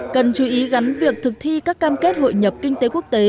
cần chú ý gắn việc thực thi các cam kết hội nhập kinh tế quốc tế